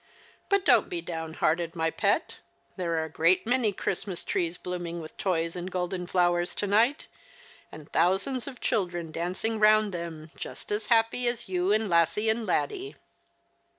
But don't be down hearted, my pet ; there are a great many Christmas trees blooming with toys and golden flowers to night, and thousands of children dancing round them, just as happy as you and Lassie and Laddie."